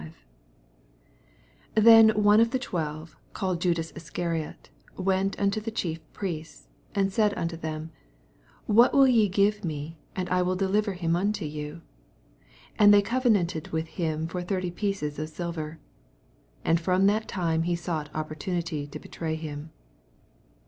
14 Then one of the twelve, called Jndas Ucariot, went nnto the Chief Priests, 15 And said %mio them* What will ye give me, and I will oeliver him nntoYon? And thej covenanterl witb him for thirty pieces of silver. 16 And from that time he sought opportnnity to betray him.